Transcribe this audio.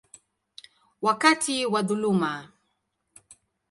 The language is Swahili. wakati wa dhuluma.